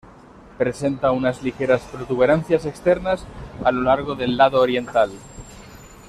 Presenta unas ligeras protuberancias externas a lo largo del lado oriental.